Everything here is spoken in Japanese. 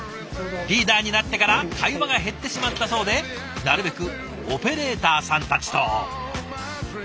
リーダーになってから会話が減ってしまったそうでなるべくオペレーターさんたちと。